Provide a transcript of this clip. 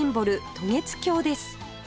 渡月橋です